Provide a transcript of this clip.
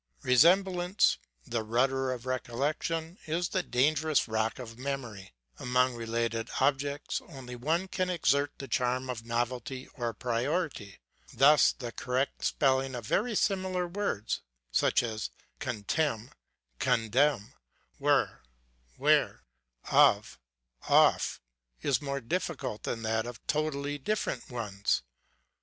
Resemblance, the rudder of recollection, is the danger ous rock of memory. Among related objects, only one can exert the charm of novelty or priority. Thus, the correct spelling of very similar words, such as contemn condemn, were where, of off, is more difficult than that of totally different ones.